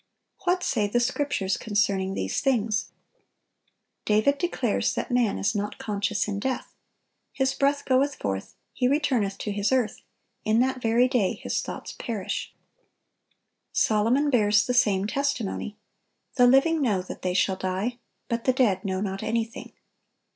What say the Scriptures concerning these things? David declares that man is not conscious in death. "His breath goeth forth, he returneth to his earth; in that very day his thoughts perish."(962) Solomon bears the same testimony: "The living know that they shall die: but the dead know not anything."